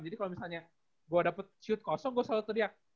jadi kalau misalnya gue dapet shoot kosong gue selalu teriak